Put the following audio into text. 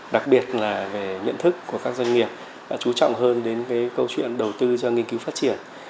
đặc biệt là về nhận thức của các doanh nghiệp đã chú trọng hơn đến cái câu chuyện đầu tư cho nghiên cứu phát triển